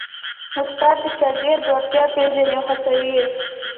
استاد د شاګرد وړتیا پېژني او هڅوي یې.